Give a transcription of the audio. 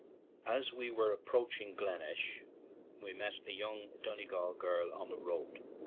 As we were approaching Glengesh, we met a young Donegal girl on the road.